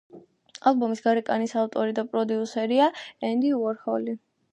ალბომის გარეკანის ავტორი და პროდიუსერია ენდი უორჰოლი.